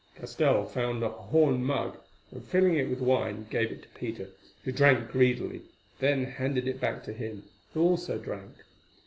Castell found a horn mug, and filling it with wine gave it to Peter, who drank greedily, then handed it back to him, who also drank.